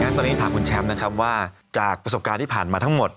ตอนนี้ถามคุณแชมป์นะครับว่าจากประสบการณ์ที่ผ่านมาทั้งหมด